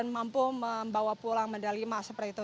membawa pulang medali lima seperti itu